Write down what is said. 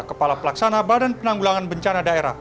kepala pelaksana badan penanggulangan bencana daerah